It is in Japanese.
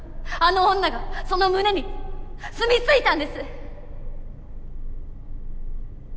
あの女がその胸に住み着いたんです！